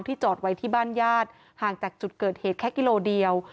จอดไว้ที่บ้านญาติห่างจากจุดเกิดเหตุแค่กิโลเดียว